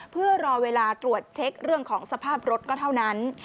เพื่อรอเวลาตรวจเช็คเรื่องของสภาพรถก็เท่านั้น